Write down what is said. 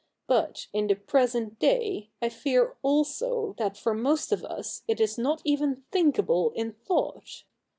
But, in the present day, I fear also that for most of us it is not even thinkable in thought.